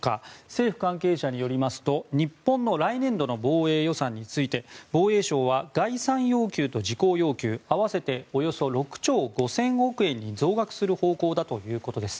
政府関係者によりますと日本の来年度の防衛予算について防衛省は概算要求と事項要求合わせておよそ６兆５０００億円に増額する方向だということです。